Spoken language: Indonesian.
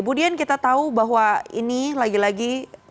bu dian kita tahu bahwa ini lagi lagi